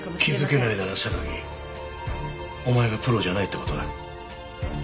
気づけないなら榊お前がプロじゃないって事だ。